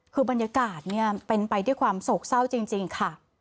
คือบรรยากาศเป็นไปด้วยความโศกเศร้าจริงค่ะ